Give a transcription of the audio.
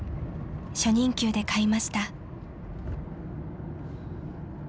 ［初任給で買いました］